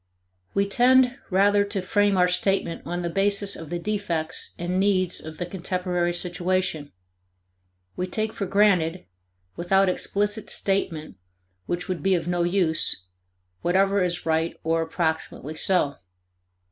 We tend rather to frame our statement on the basis of the defects and needs of the contemporary situation; we take for granted, without explicit statement which would be of no use, whatever is right or approximately so.